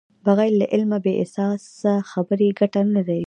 بغیر له علمه بې اساسه خبرې ګټه نلري.